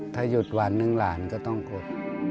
ถ้าหยุดวันหนึ่งหลานก็ต้องกด